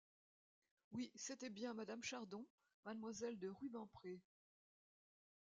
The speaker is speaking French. Oui, c’était bien madame Chardon, mademoiselle de Rubempré!